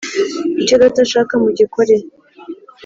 Icyo Data ashaka mugikore.